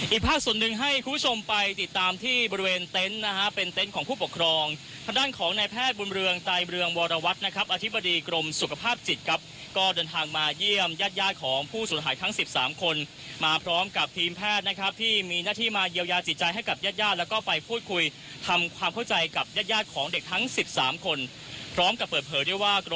อีกภาพส่วนหนึ่งให้คุณผู้ชมไปติดตามที่บริเวณเต็นต์นะฮะเป็นเต็นต์ของผู้ปกครองทางด้านของนายแพทย์บุญเรืองไตรเบืองวรวัตน์นะครับอธิบดีกรมสุขภาพจิตครับก็เดินทางมาเยี่ยมญาติยาดของผู้สุดหายทั้งสิบสามคนมาพร้อมกับทีมแพทย์นะครับที่มีหน้าที่มาเยียวยาจิตใจให้กับญาติยาดแล้วก